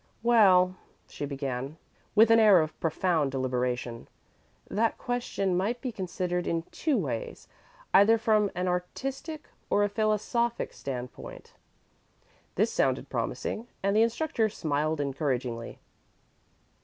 "Well," she began with an air of profound deliberation, "that question might be considered in two ways, either from an artistic or a philosophic standpoint." This sounded promising, and the instructor smiled encouragingly.